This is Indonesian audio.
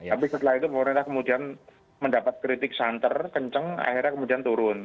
tapi setelah itu pemerintah kemudian mendapat kritik santer kenceng akhirnya kemudian turun